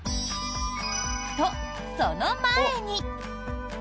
と、その前に。